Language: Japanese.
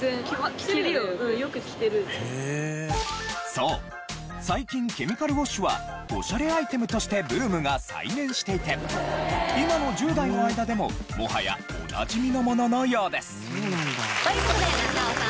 そう最近ケミカルウォッシュはオシャレアイテムとしてブームが再燃していて今の１０代の間でももはやおなじみのもののようです。という事で中尾さん